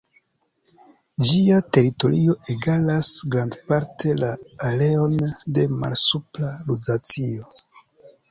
Ĝia teritorio egalas grandparte la areon de Malsupra Luzacio.